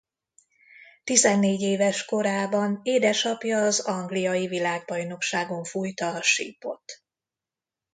Tizennégy éves korában édesapja az angliai világbajnokságon fújta a sípot.